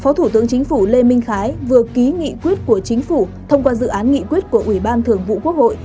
phó thủ tướng chính phủ lê minh khái vừa ký nghị quyết của chính phủ thông qua dự án nghị quyết của ủy ban thường vụ quốc hội